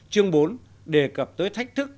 chương bốn đề cập tới thách thức